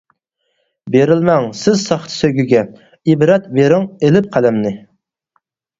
بېرىلمەڭ سىز ساختا سۆيگۈگە، ئىبرەت بىرىڭ ئېلىپ قەلەمنى.